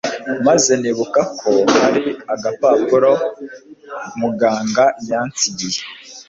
maze nibuka ko hari agapapuro muganga yansigiye